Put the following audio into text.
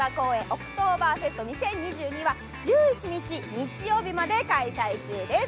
オクトーバーフェスト２０２２は１１日、日曜日まで開催中です。